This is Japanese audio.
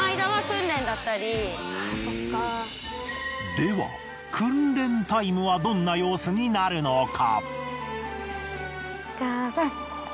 では訓練タイムはどんな様子になるのか？